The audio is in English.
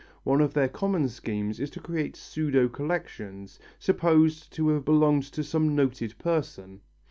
One of their common schemes is to create pseudo collections, supposed to have belonged to some noted person.